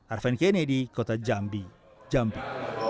arvan kennedy kota jambi